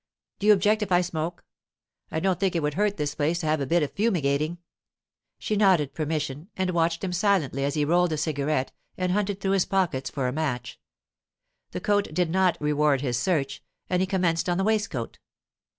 Do you object if I smoke? I don't think it would hurt this place to have a bit of fumigating.' She nodded permission, and watched him silently as he rolled a cigarette and hunted through his pockets for a match. The coat did not reward his search, and he commenced on the waistcoat.